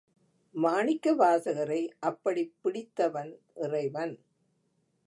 மாணிக்கவாசகரை அப்படிப் பிடித்தவன் இறைவன்.